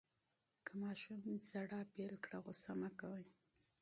که ماشوم ژړا پیل کړه، غوصه مه کوئ.